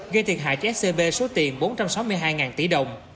gây thiệt hại cho scb số tiền bốn trăm sáu mươi hai tỷ đồng